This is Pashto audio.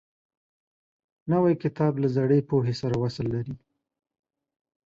نوی کتاب له زړې پوهې سره وصل لري